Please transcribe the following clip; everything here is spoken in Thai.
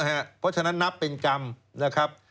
เพราะฉะนั้นนับเป็นกรรมนะครับ